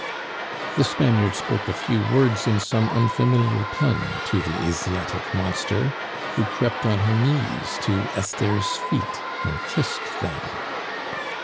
The Spaniard spoke a few words, in some unfamiliar tongue, to the Asiatic monster, who crept on her knees to Esther's feet and kissed them.